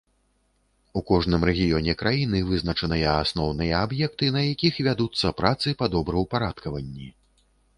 У кожным рэгіёне краіны вызначаныя асноўныя аб'екты, на якіх вядуцца працы па добраўпарадкаванні.